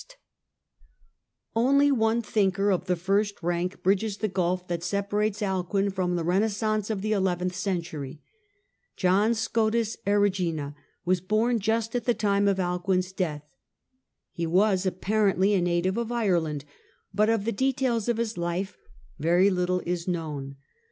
198 THE DAWN OF MEDIEVAL EUROPE John Only one thinker of the first rank bridges the gulf Erigena that separates Alcuin from the renaissance of the eleventh century. John Scotus Erigena was born just at the date of Alcuin's death. He was apparently a native of Ireland, but of the details of his life very little is known.